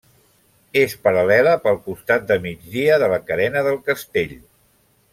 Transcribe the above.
És paral·lela pel costat de migdia de la Carena del Castell.